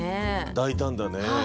大胆だね。